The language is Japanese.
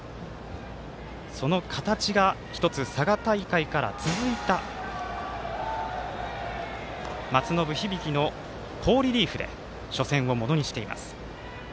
その形が佐賀大会から続いた松延響の好リリーフで初戦をものにしています。